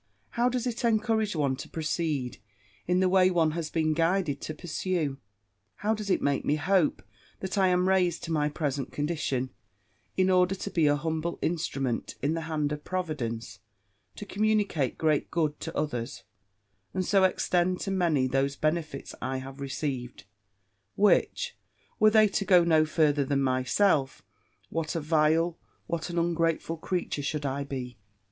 How does it encourage one to proceed in the way one has been guided to pursue! How does it make me hope, that I am raised to my present condition, in order to be an humble instrument in the hand of Providence to communicate great good to others, and so extend to many those benefits I have received, which, were they to go no further than myself, what a vile, what an ungrateful creature should I be!